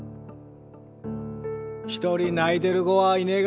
一人泣いてる子はいねが。